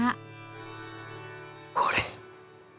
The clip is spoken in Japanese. これ！